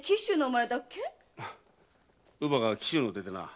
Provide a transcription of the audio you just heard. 乳母が紀州の出でな。